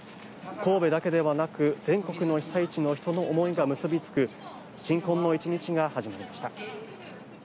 神戸だけではなく全国の被災地の人の思いが結びつく鎮魂の１日が始まりました。